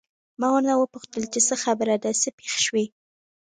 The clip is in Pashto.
ما ورنه وپوښتل چې څه خبره ده، څه پېښ شوي؟